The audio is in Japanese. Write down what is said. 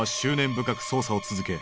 深く捜査を続け